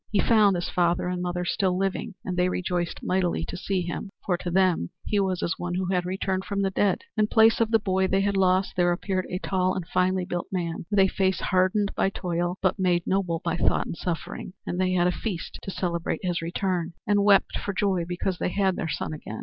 He found his father and mother still living and they rejoiced mightily to see him, for to them he was as one who had returned from the dead. In place of the boy they had lost there appeared a tall and finely built man with a face hardened by toil but made noble by thought and suffering. And they had a feast to celebrate his return and wept for joy because they had their son again.